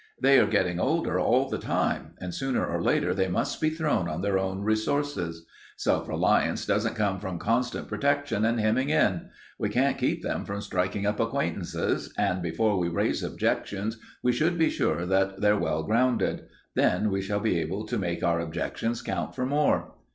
They are getting older all the time, and sooner or later they must be thrown on their own resources. Self reliance doesn't come from constant protection and hemming in. We can't keep them from striking up acquaintances, and before we raise objections we should be sure that they're well grounded; then we shall be able to make our objections count for more."